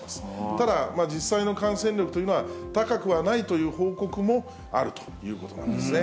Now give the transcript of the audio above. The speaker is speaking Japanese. ただ、実際の感染力というのは、高くはないという報告もあるということなんですね。